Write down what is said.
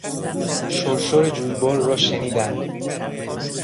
شرشر جویبار را شنیدم.